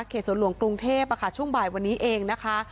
เขตสวนลวงกรุงเทพอะค่ะช่วงบ่ายวันนี้เองนะคะ